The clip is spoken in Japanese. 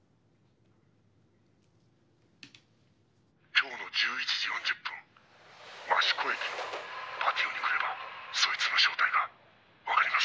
「今日の１１時４０分益子駅のパティオに来ればそいつの正体がわかります」